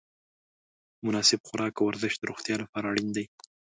مناسب خوراک او ورزش د روغتیا لپاره اړین دي.